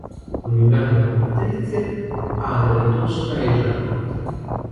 Coniugato con Patrizia, padre di Tosca e Giacomo.